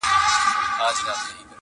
هغه اکثره وخت يوازې ناسته وي او فکر کوي,